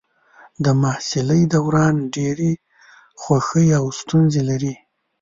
د محصلۍ دوران ډېرې خوښۍ او ستونزې لري.